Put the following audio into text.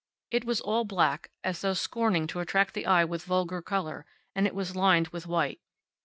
It was all black, as though scorning to attract the eye with vulgar color, and it was lined with white.